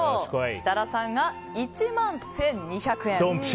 設楽さんが１万１２００円。